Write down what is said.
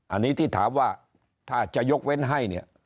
อันนี้ที่ถามว่าถ้าจะยกเว้นให้เนี่ย